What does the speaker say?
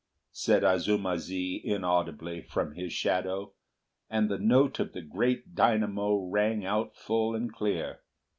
said Azuma zi inaudibly, from his shadow, and the note of the great dynamo rang out full and clear.